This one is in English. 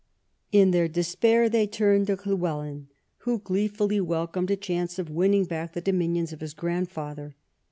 In their despair they turned to Lly welyn, who gleefully welcomed a chance of winning back the dominions of his grandfather.